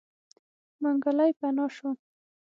منګلی پناه شو.